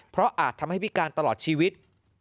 เพราะอาจทำให้พิการตลอดชีวิต